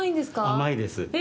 甘いです。